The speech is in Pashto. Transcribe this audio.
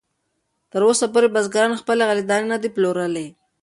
تراوسه پورې بزګرانو خپلې غلې دانې نه دي پلورلې.